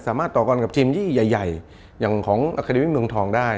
สามารถต่อกรณ์กับทีมยี่ใหญ่ใหญ่อย่างของอาคดีวิทย์เมืองทองได้